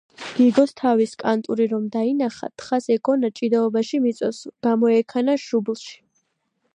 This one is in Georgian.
გიგოს თავის კანტური რომ დაინახა, თხას ეგონა, ჭიდაობაში მიწვევსო, გამოექანა, შუბლში